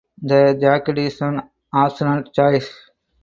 The jacket is an optional choice.